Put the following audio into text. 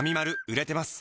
売れてます！